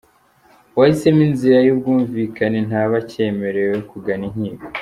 Uwahisemo inzira y’ubwumvikane ntaba akemerewe kugana inkiko.